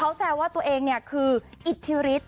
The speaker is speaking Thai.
เขาแซวว่าตัวเองเนี่ยคืออิธริต